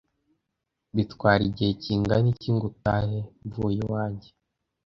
Bitwara igihe kingana iki ngo utahe mvuye iwanjye?